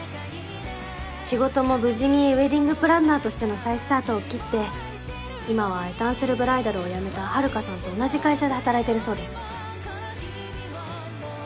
仕事も無事にウェディングプランナーとしての再スタートを切って今はエタンセルブライダルを辞めた遥さんと同じ会社で働いているそうです。